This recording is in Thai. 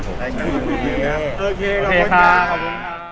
ขอบคุณครับ